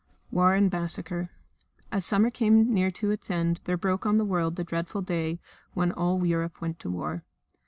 War and Massacre As summer came near to its end there broke on the world the dreadful day when all Europe went to war.